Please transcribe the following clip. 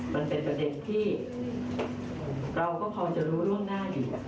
มันเป็นประเด็นที่เราก็พอจะรู้ล่วงหน้าอยู่